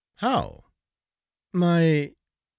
"How?" "My ...